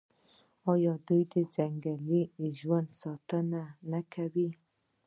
آیا دوی د ځنګلي ژوند ساتنه نه کوي؟